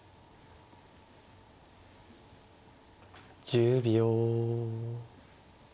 １０秒。